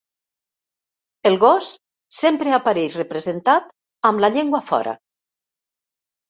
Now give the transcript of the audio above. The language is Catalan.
El gos sempre apareix representat amb la llengua fora.